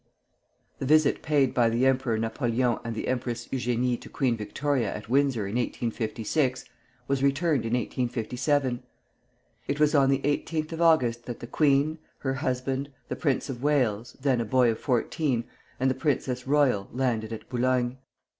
The visit paid by the Emperor Napoleon and the Empress Eugénie to Queen Victoria at Windsor in 1856 was returned in 1857. It was on the 18th of August that the queen, her husband, the Prince of Wales, then a boy of fourteen, and the Princess Royal landed at Boulogne.